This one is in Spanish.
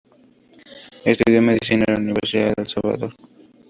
Estudió Medicina en la Universidad de El Salvador.